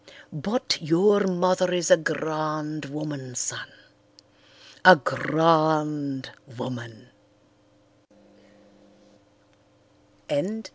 But your mother is a grand woman, son, a grand woman."